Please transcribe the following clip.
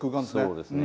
そうですね。